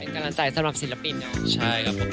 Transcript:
เป็นกันต่างสำหรับสิ่งหลักปิดเนอะ